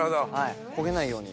焦げないように。